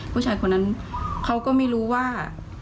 ผู้ชายคนนั้นเขาก็ไม่รู้ว่า